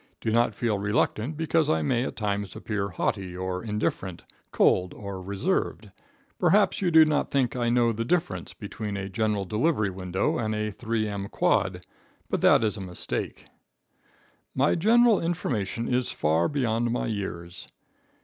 Do not feel reluctant because I may at times appear haughty and indifferent, cold or reserved. Perhaps you do not think I know the difference between a general delivery window and a three m quad, but that is a mistake. [Illustration: A NEW OFFICE OUTFIT.] My general information is far beyond my years.